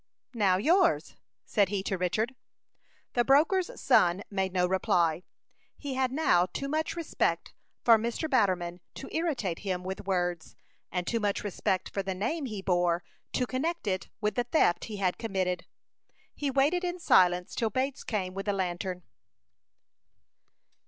"Now, yours?" said he to Richard. The broker's son made no reply. He had now too much respect for Mr. Batterman to irritate him with words, and too much respect for the name he bore to connect it with the theft he had committed. He waited in silence till Bates came with the lantern.